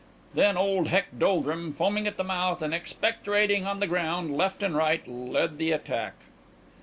Then old Heck Doldrum, foaming at the mouth and expectorating on the ground, left and right, led the attack.